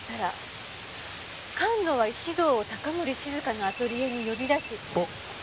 菅野は石堂を高森静香のアトリエに呼び出し。